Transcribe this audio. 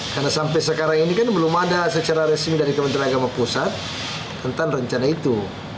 karena sampai sekarang ini kan belum ada secara resmi dari kementerian agama pusat tentang rencana itu